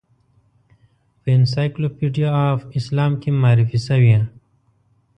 په انسایکلوپیډیا آف اسلام کې معرفي شوې.